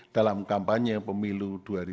dalam kampanye pemilu